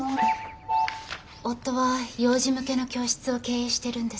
夫は幼児向けの教室を経営してるんです。